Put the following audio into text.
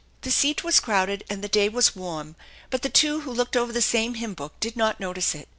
The seat was crowded and the day was warm, but the two who looked over the same hymn book did not notice it.